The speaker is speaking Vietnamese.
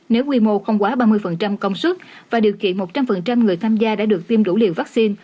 nếu quy mô không quá ba mươi công suất và điều kiện một trăm linh người tham gia đã được tiêm đủ liều vaccine